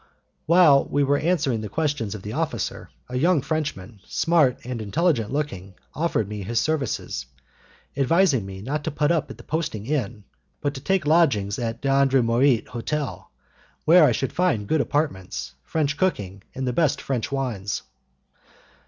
While we were answering the questions of the officer, a young Frenchman, smart and intelligent looking, offered me his services, and advised me not to put up at the posting inn, but to take lodgings at D'Andremorit's hotel, where I should find good apartments, French cooking, and the best French wines.